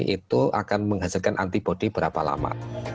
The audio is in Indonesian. itu akan menghasilkan antibody berapa lama